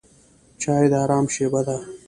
چای د آرام شېبه ده.